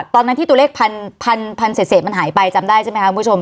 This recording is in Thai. ตอนนั้นที่ตัวเลขพันพันพันเสร็จเสร็จมันหายไปจำได้ใช่ไหมคะคุณผู้ชม